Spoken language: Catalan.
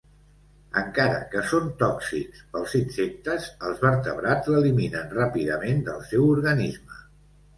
Encara que són tòxics pels insectes, els vertebrats l'eliminen ràpidament del seu organisme.